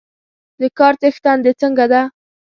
د کار څښتن د څنګه ده؟